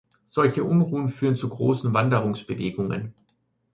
Solche Unruhen führen zu großen Wanderungsewegungen.